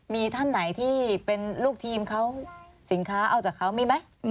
มีท่านไหนที่เป็นลูกทีมเขาสินค้าเอาจากเขามีไหม